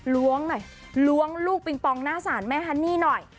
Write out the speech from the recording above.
ล้วงหน่อยล้วงลูกปิงปองหน้าศาลแม่ฮันนี่หน่อย